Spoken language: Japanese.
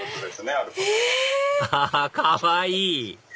あかわいい！